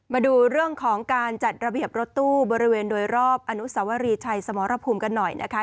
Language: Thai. มาดูเรื่องของการจัดระเบียบรถตู้บริเวณโดยรอบอนุสวรีชัยสมรภูมิกันหน่อยนะคะ